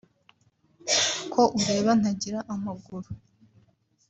ko ureba ntagira amaguru